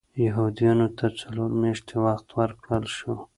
یهودیانو ته څلور میاشتې وخت ورکړل شو.